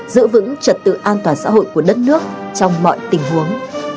giữ vững trật tự an toàn xã hội của đất nước trong mọi tình huống